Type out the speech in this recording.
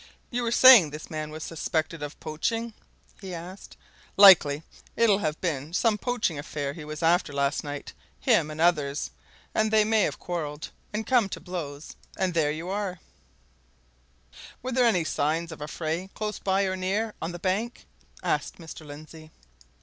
"You were saying this man was suspected of poaching?" he asked. "Likely it'll have been some poaching affair he was after last night him and others. And they may have quarrelled and come to blows and there you are!" "Were there any signs of an affray close by or near, on the bank?" asked Mr. Lindsey.